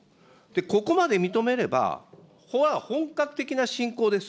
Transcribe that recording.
ここまで認めれば、ここは本格的な侵攻です。